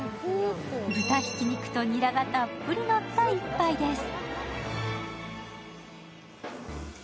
豚ひき肉とニラがたっぷりのった１杯です。